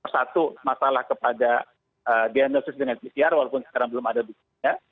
satu masalah kepada diagnosis dengan pcr walaupun sekarang belum ada buktinya